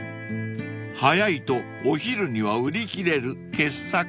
［早いとお昼には売り切れる傑作です］